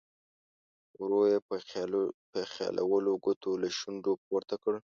ورو یې په خیالولو ګوتو له شونډو پورته کړ.